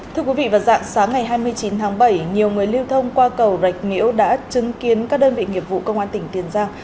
thưa quý vị vào dạng sáng ngày hai mươi chín tháng bảy nhiều người lưu thông qua cầu rạch miễu đã chứng kiến các đơn vị nghiệp vụ công an tỉnh tiền giang